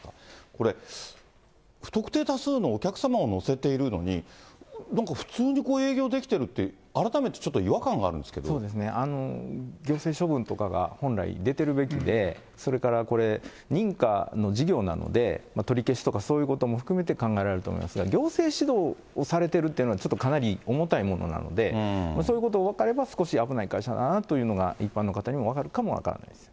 これ、不特定多数のお客様を乗せているのに、なんか普通にこう営業できてるって、改めてちょっと違和感がある行政処分とかが本来出てるべきで、それからこれ、認可の事業なので、取り消しとかそういうことも含めて考えられると思いますが、行政指導をされてるというのはかなり重たいものなので、そういうことが分かれば、少し危ない会社だなというのが、一般の方にも分かるかも分からないです。